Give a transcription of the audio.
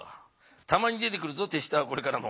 たまに出てくるぞ手下はこれからも。